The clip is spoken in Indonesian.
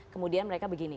kemudian mereka begini